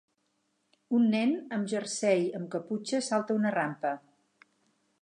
Un nen amb jersei amb caputxa salta una rampa.